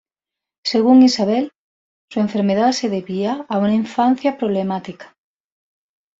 Según Isabelle, su enfermedad se debía a una infancia problemática.